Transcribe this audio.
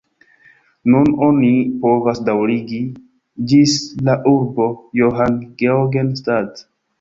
Nun oni povas daŭrigi ĝis la urbo Johann-Geogen-Stadt.